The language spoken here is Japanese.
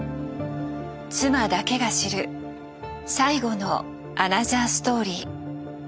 妻だけが知る最後のアナザーストーリー。